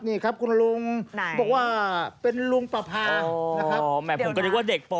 นี่ครับคุณลุงบอกว่าเป็นลุงปภาแหม่งผมก็เลยว่าเด็กป๔